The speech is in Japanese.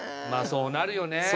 まあそうなるよね。